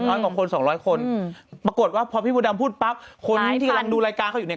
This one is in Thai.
ร้อยกว่าคนสองร้อยคนอืมปรากฏว่าพอพี่มดดำพูดปั๊บคนที่กำลังดูรายการเขาอยู่เนี่ย